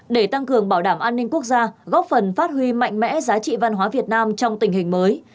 để tăng cường bảo đảm an ninh quốc gia góp phần phát huy mạnh mẽ giá trị văn hóa việt nam trong tình hình mới